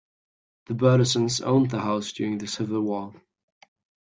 The Burlesons owned the house during the Civil War.